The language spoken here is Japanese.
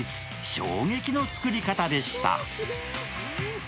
衝撃の作り方でした。